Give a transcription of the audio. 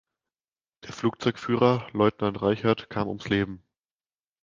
Der Flugzeugführer Leutnant Reichert kam ums Leben.